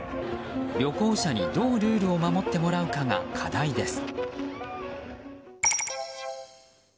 旅行者にどうルールを守ってもらうかが課題です。